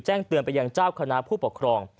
แจ้งเตือนไปยังเจ้าคณะผู้ปกครอง